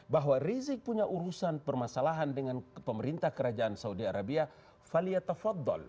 bahwa rizik punya urusan permasalahan dengan pemerintah kerajaan saudi arabiaddal